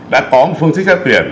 đã có một phương thức xét tuyển